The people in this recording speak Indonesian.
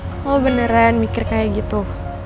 kok lo beneran mikir kayak gitu